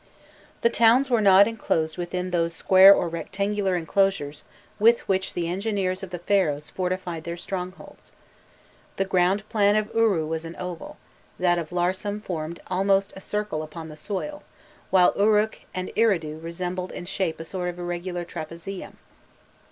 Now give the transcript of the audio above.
The towns were not enclosed within those square or rectangular enclosures with which the engineers of the Pharaohs fortified their strongholds. The ground plan of Uru was an oval, that of Larsam formed almost a circle upon the soil, while Uruk and Eridu resembled in shape a sort of irregular trapezium.